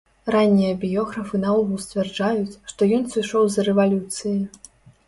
Раннія біёграфы наогул сцвярджаюць, што ён сышоў з-за рэвалюцыі.